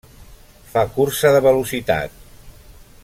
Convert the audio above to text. Fa cursa de velocitat.